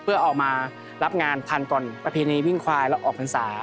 เพื่อออกมารับงานทันก่อนประเพณีวิ่งควายแล้วออกพรรษา